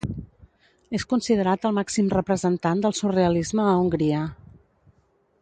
És considerat el màxim representant del surrealisme a Hongria.